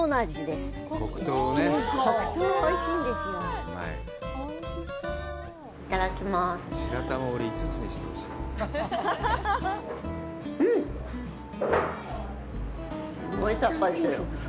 すごいさっぱりしてる。